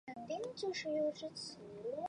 即有地质遗迹资源分布的地点。